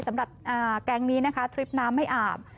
สำหรับแก๊งนี้นะคะทริปน้ำไม่อาบ